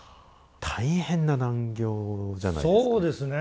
大変な難行じゃないですか？